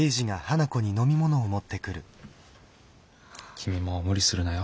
君も無理するなよ。